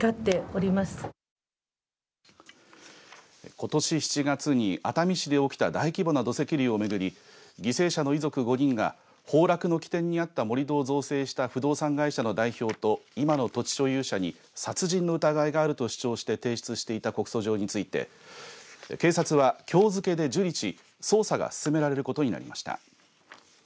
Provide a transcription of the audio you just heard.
ことし７月に熱海市で起きた大規模な土石流をめぐり犠牲者の遺族５人が崩落の起点にあった盛り土を造成した不動産会社の代表と今の土地所有者に殺人の疑いがあると主張して提出していた告訴状について警察は、きょう付けで受理し捜査が進められることになりました。